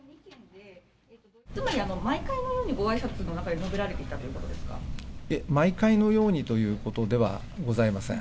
つまり、毎回のように、ごあいさつの中で述べられていたといいえ、毎回のようにということではございません。